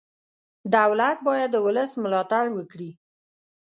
دولت باید د ولس ملاتړ وکړي.